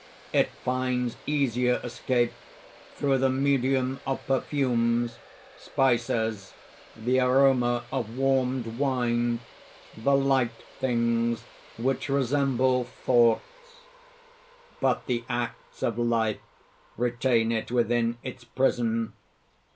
It finds easier escape through the medium of perfumes, spices, the aroma of warmed wine, the light things which resemble thoughts. But the acts of life retain it within its prison.